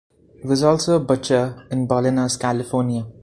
He was also a butcher in Bolinas, California.